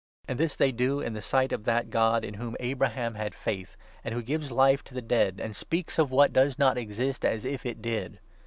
And this they do in the sight of that God in whom Abraham had faith, and who gives life to the dead, and speaks of what does not yet exist as if it did.